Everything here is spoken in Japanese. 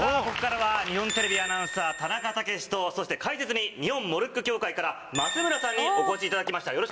ここからは日本テレビアナウンサー田中毅とそして解説に日本モルック協会から益邑さんにお越しいただきました